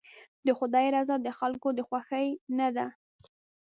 د خدای رضا د خلکو د خوښۍ نه ده.